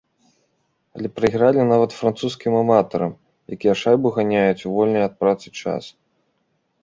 Але прайгралі нават французскім аматарам, якія шайбу ганяюць у вольны ад працы час.